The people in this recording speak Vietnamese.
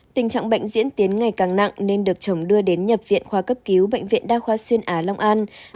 tình trạng bệnh diễn tiến ngày càng nặng nên được chồng đưa đến nhập viện khoa cấp cứu bệnh viện đa khoa xuyên á long an